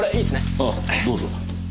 ああどうぞ。